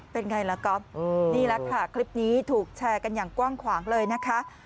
เป็นไงล่ะก๊อฟนี่แหละค่ะคลิปนี้ถูกแชร์กันอย่างกว้างขวางเลยนะคะ